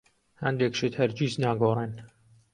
هەندێک شت هەرگیز ناگۆڕێن.